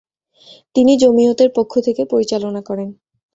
তিনি জমিয়তের পক্ষ থেকে পরিচালনা করেন।